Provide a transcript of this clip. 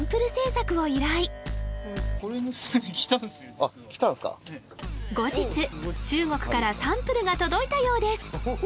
実は後日中国からサンプルが届いたようです